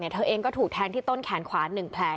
เนี่ยเธอเองก็ถูกแทนที่ต้นแขนขวาหนึ่งแผล